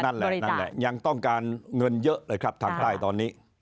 นั่นแหละนั่นแหละยังต้องการเงินเยอะเลยครับทางใต้ตอนนี้